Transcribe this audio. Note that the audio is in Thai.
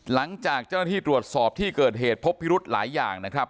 หลังจากเจ้าหน้าที่ตรวจสอบที่เกิดเหตุพบพิรุธหลายอย่างนะครับ